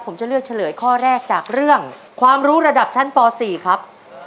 ผมจะเลือกเฉลยข้อแรกจากเรื่องความรู้ระดับชั้นป๔ครับ